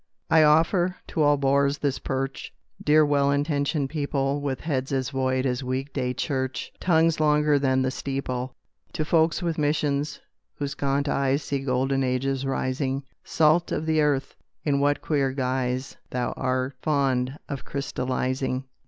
I offer to all bores this perch, Dear well intentioned people With heads as void as week day church, Tongues longer than the steeple; To folks with missions, whose gaunt eyes See golden ages rising, Salt of the earth! in what queer Guys Thou'rt fond of crystallizing!